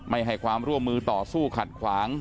ไม่ให้ความร่วมมือต่อสู้ขัดขวาง